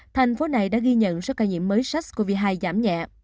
thành phố này đã ghi nhận số ca nhiễm mới sars cov hai giảm nhẹ